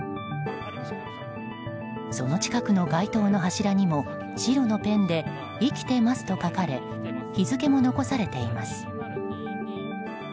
その近くの街灯の柱にも白のペンで「生きてます」と書かれ日付も残されています。